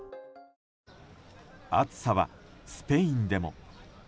暑さは、スペインでも。